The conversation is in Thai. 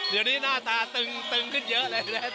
เดี๋ยวนี้หน้าตาตึงขึ้นเยอะเลย